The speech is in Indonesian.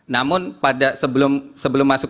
namun pada sebelum masuk